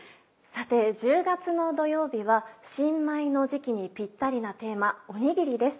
さて１０月の土曜日は新米の時期にピッタリなテーマおにぎりです。